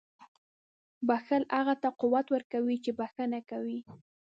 • بښل هغه ته قوت ورکوي چې بښنه کوي.